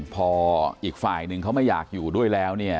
พออีกฝ่ายนึงเขาไม่อยากอยู่ด้วยแล้ว